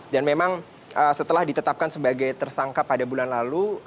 dan memang setelah ditetapkan sebagai tersangka pada bulan lalu